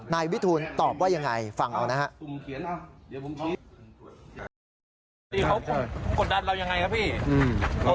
นายวิทูลตอบว่ายังไงฟังเอานะครับ